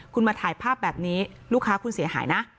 คุณมาถ่ายภาพแบบนี้ลูกค้าคุณเสียหายนะ